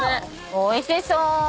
おいしそう！わ！